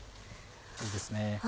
いいですね。